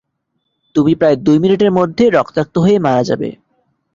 তুমি প্রায় দুই মিনিটের মধ্যে রক্তাক্ত হয়ে মারা যাবে।